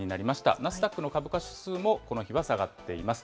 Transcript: ナスダックの株価指数もこの日は下がっています。